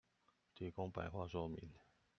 提供白話說明